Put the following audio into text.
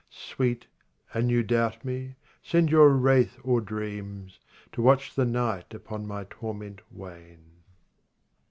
Sweet, an you doubt me, send your wraith dreams To watch the night upon my torment wane.